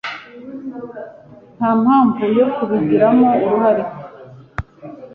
nta mpamvu yo kubigiramo uruhare